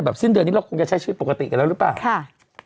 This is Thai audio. สิ้นเดือนนี้เราคงจะใช้ชีวิตปกติกันแล้วหรือเปล่าค่ะ